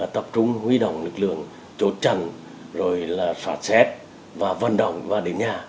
tập trung huy động lực lượng chốt trần xoạt xét vận động và đến nhà